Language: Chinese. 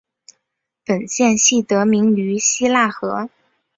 本县系得名于希拉河。